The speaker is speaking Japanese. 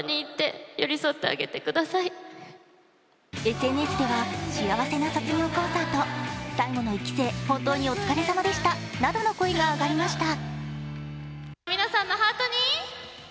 ＳＮＳでは幸せな卒業コンサート、最後の１期生、本当にお疲れさまでしたなどの声が上がりました。